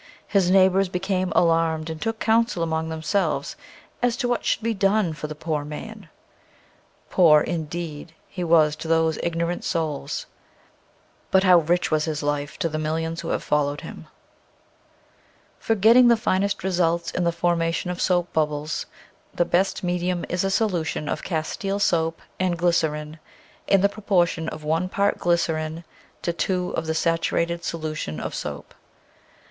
His neighbors became alarmed and took council among themselves as to what should be done for the "poor man." Poor, indeed, he was to those ignorant souls. / I . Original from UNIVERSITY OF WISCONSIN Color, 187 But how rich was his life to the millions who have followed him! For getting the finest results in the forma tion of soap bubbles, the best medium is a solution of castile soap and glycerin in the proportion of one part glycerin to two of the saturated solution of soap.